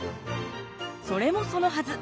それもそのはず。